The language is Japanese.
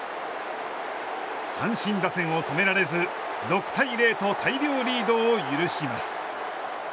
阪神打線を止められず６対０と大量リードを許します。